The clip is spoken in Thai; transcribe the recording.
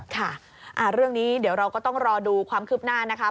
ค่ะเรื่องนี้เดี๋ยวเราก็ต้องรอดูความคืบหน้านะคะ